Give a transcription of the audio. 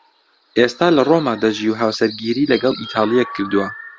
ئێستا لە ڕۆما دەژی و هاوسەرگیریی لەگەڵ ئیتاڵییەک کردووە.